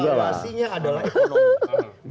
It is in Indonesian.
evaluasinya adalah ekonomi